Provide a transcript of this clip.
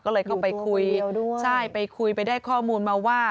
ก็เลยเข้าไปคุยอยู่ตัวคนเดียวด้วยใช่ไปคุยไปได้ข้อมูลมาว่า